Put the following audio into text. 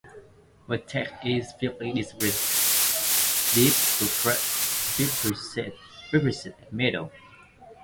Vertex is feebly depressed at middle.